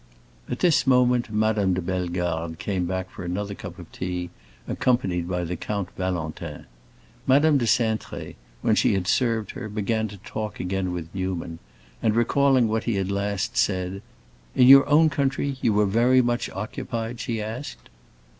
At this moment Madame de Bellegarde came back for another cup of tea, accompanied by the Count Valentin. Madame de Cintré, when she had served her, began to talk again with Newman, and recalling what he had last said, "In your own country you were very much occupied?" she asked.